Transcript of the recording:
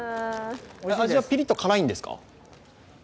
味はピリッと辛いんですか？